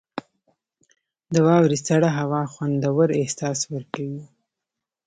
• د واورې سړه هوا خوندور احساس ورکوي.